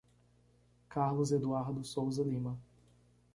Carlos Eduardo Souza Lima